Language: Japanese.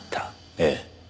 ええ。